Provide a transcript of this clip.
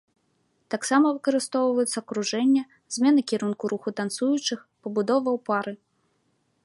Таксама выкарыстоўваюцца кружэнне, змена кірунку руху танцуючых, пабудова ў пары.